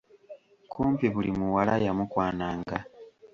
Kumpi buli muwala yamukwananga.